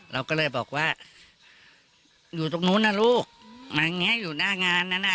เราก็เลยบอกว่าอยู่ตรงนู้นนะลูกอย่างนี้อยู่หน้างานนั้นน่ะ